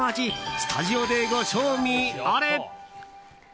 スタジオでご賞味あれ！